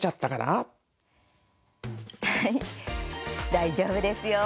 大丈夫ですよ。